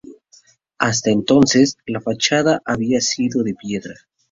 Hasta entonces, la fachada había sido de piedra.